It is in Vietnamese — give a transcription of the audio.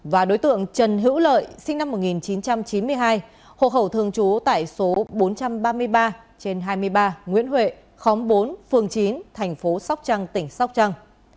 và đối tượng trần hữu lợi sinh năm một nghìn chín trăm chín mươi hai hộ khẩu thường trú tại số bốn trăm ba mươi ba trên hai mươi ba nguyễn huệ khóm bốn phường chín thành phố sóc trăng tỉnh sóc trăng